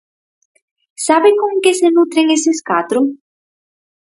¿Sabe con que se nutren eses catro?